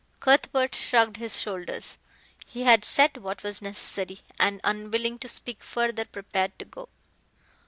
Cuthbert shrugged his shoulders. He had said what was necessary and, unwilling to speak further, prepared to go.